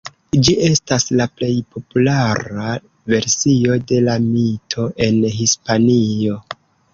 Ĝi estas la plej populara versio de la mito en Hispanio.